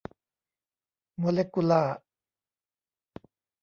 โมเลกุลาร์